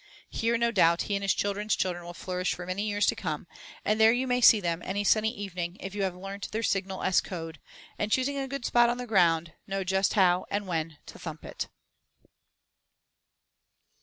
There, no doubt, he and his children's children will flourish for many years to come, and there you may see them any sunny evening if you have learnt their signal 5 code, and, choosing a good spot on the ground, know just how and when to thump it.